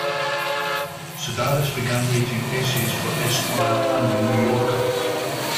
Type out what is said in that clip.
Sedaris began writing essays for "Esquire" and "The New Yorker".